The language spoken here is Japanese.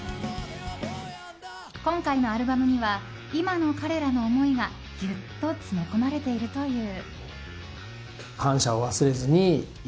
今回のアルバムには今の彼らの思いがギュッと詰め込まれているという。